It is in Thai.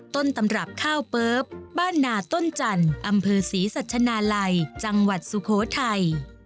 ต้นตำรับข้าวเปิ๊บบ้านนาต้นจันทร์อำเภอศรีสัชนาลัยจังหวัดสุโขทัย